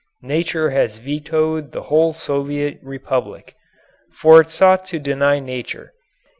Nature has vetoed the whole Soviet Republic. For it sought to deny nature.